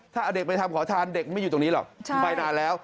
ถ้าเอาเด็กไปทำขอทานเด็กไม่อยู่ตรงนี้หรอกไปนานแล้ว